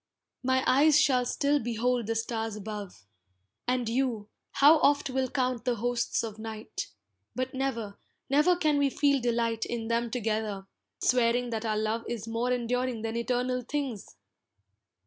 My eyes shall still behold the stars above, And you, how oft will count the hosts of night, But never, never can we feel delight In them together, swearing that our love Is more enduring than eternal things!